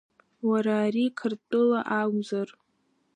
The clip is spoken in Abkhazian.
Уара ари Қырҭтәыла акәзар…